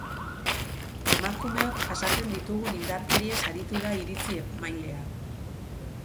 Emakumeok jasaten ditugun indarkeriez aritu da iritzi emailea.